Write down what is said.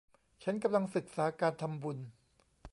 ฉันกำลังศึกษาการทำบุญ